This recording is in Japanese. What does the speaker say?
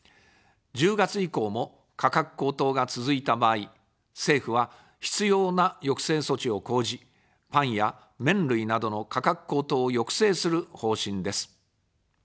１０月以降も、価格高騰が続いた場合、政府は必要な抑制措置を講じ、パンや麺類などの価格高騰を抑制する方針です。